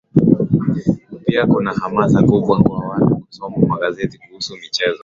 pia kuna hamasa kubwa kwa watu kusoma magazeti kuhusu michezo